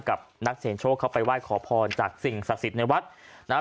กับนักเสียงโชคเข้าไปไหว้ขอพรจากสิ่งศักดิ์สิทธิ์ในวัดนะครับ